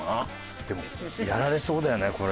でもやられそうだよねこれ。